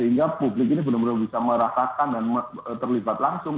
sehingga publik ini benar benar bisa merasakan dan terlibat langsung